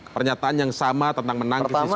pernyataan yang sama tentang menangkis isu diktator